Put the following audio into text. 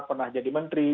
pernah jadi menteri